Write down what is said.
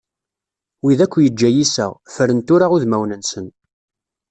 Wid akk yeǧǧa yiseɣ, ffren tura udmawen-nsen.